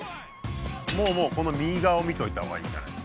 もうもうこの右側を見といた方がいいんじゃない？